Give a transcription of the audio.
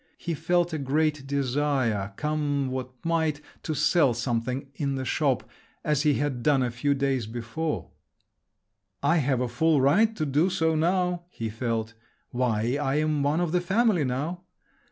He felt a great desire, come what might, to sell something in the shop, as he had done a few days before…. "I have a full right to do so now!" he felt. "Why, I am one of the family now!"